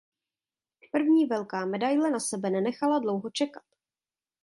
První velká medaile na sebe nenechala dlouho čekat.